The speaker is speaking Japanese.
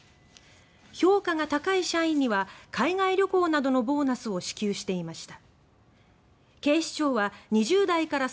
評価が高い社員には海外旅行などのボーナスを支給していました。